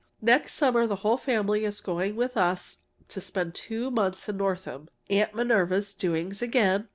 Next summer the whole family is going with us to spend two months in Northam (Aunt Minerva's doings again!)